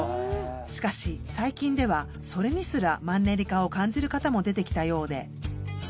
しかし最近ではそれにすらマンネリ化を感じる方も出てきたようで。